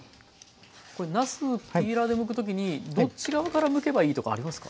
これなすピーラーでむく時にどっち側からむけばいいとかありますか？